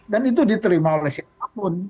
dan itu diterima oleh siapapun